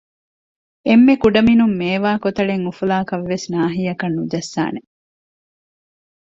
އެންމެ ކުޑަމިނުން މޭވާ ކޮތަޅެއް އުފުލާކަށް ވެސް ނާހިއަކަށް ނުޖައްސާނެ